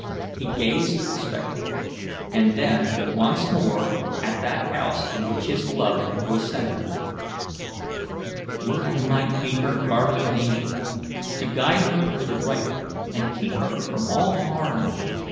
He gazed at the spectacle, and then once more at that house in which his love was centred. "Would I might be her guardian angel, to guide her in the right and keep her from all harm!